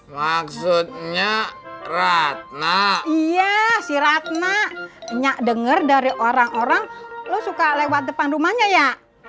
maksudnya ratna iya si ratna nya dengar dari orang orang lo suka lewat depan rumahnya ya